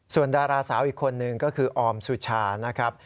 ส่วนดาราสาวอีกคนนึงก็คือออมสุชานะครับ